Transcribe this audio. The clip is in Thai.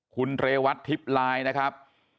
คุณเรวัตทิพย์ลายนะครับ